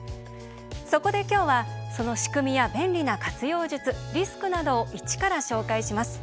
そこで今日はその仕組みや便利な活用術リスクなどを一から紹介します。